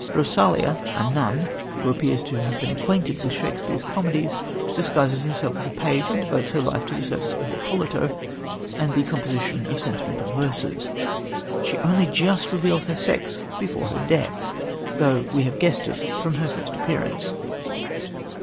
Rosolia, a nun, who seems to have been acquainted with Shakespeare's comedies, disguises herself as a page, and devotes her life to the service of Ippolito and to the composition of sentimental verses. She only reveals her sex just before her death, though we have guessed it from her first appearance.